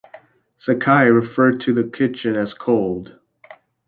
Sakai referred to the kitchen as cold.